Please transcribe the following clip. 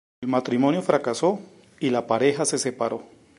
El matrimonio fracasó y la pareja se separó.